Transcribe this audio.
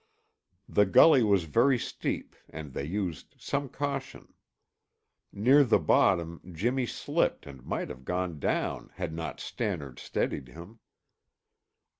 The gully was very steep and they used some caution. Near the bottom Jimmy slipped and might have gone down had not Stannard steadied him.